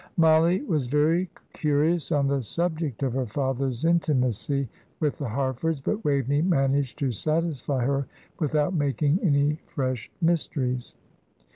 Mollie was very curious on the subject of her father's intimacy with the Harfords, but Waveney managed to satisfy her without making any fresh mysteries.